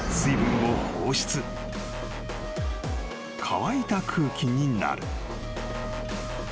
［乾いた空気になる］